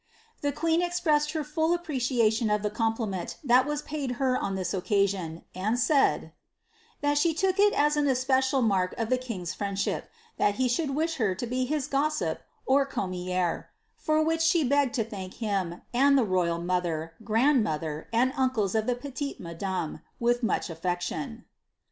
The queen expressed her full apprecia* tion of the compliment that was paid her on this occasion, and said, that she took it as an especial mark of the king's friendship, that he should wish her to be his gossip (commere), for which she begged to thank him, and the royal mother, grandmother, and uncles of the petite madame^ with much affection."